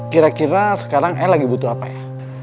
kira kira sekarang el lagi butuh apa ya